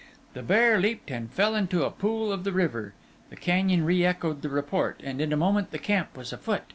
The bear leaped and fell into a pool of the river; the canyon re echoed the report; and in a moment the camp was afoot.